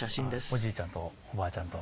おじいちゃんとおばあちゃんと。